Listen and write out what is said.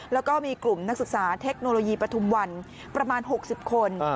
แล้วก็มีกลุ่มนักศึกษาเทคโนโลยีปฐุมวันประมาณ๖๐คน